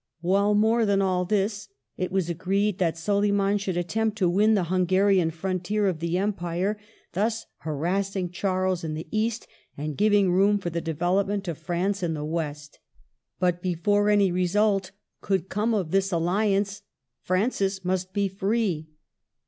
While, more than all this, it was 84 MARGARET OF ANGOULEME. agreed that Soliman should attempt to win the Hungarian frontier of the Empire, thus harass ing Charles in the East and giving room for the development of France in the West. But before any result could come of this alli ance Francis must be free.